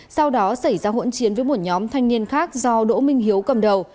sau đó xảy ra hỗn chiến với một nhóm thanh niên khác do đỗ minh hiếu cầm đầu